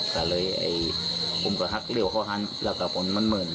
ผมก็ฮักเร็วเข้าฮันแล้วก็มันเมิน